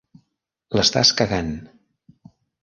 L'estàs cagant!